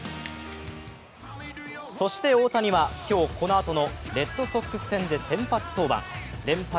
そして大谷は今日、このあとのレッドソックス戦で先発登板連敗